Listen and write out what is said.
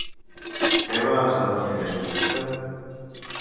Què va esdevenir aquest projecte?